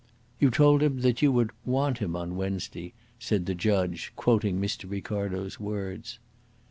"You told him that you would 'want him' on Wednesday," said the Judge quoting Mr. Ricardo's words.